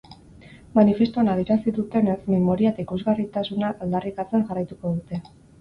Manifestuan adierazi dutenez, memoria eta ikusgarritasuna aldarrikatzen jarraituko dute.